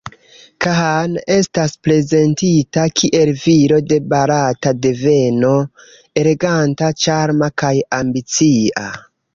Khan estas prezentita kiel viro de barata deveno, eleganta, ĉarma kaj ambicia.